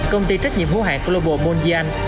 công ty trách nhiệm hữu hạn global monjan